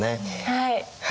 はい。